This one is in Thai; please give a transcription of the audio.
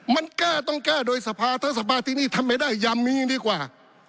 มันแก้ต้องแก้โดยสภาถ้าสภาที่นี่ทำไม่ได้ยำมีดีกว่า